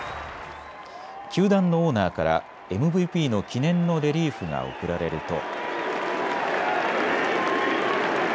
球団のオーナーからＭＶＰの記念のレリーフが贈られると。